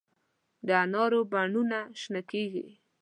د انارو بڼونه شنه کیږي